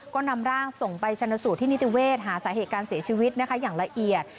ก็นำร่างส่งไปชนสูตรที่นิติเวศหาสาเหตุการเสียชีวิตนะคะอย่างละเอียด